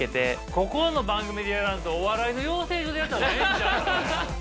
ここの番組でやらんとお笑いの養成所でやった方がええんちゃう？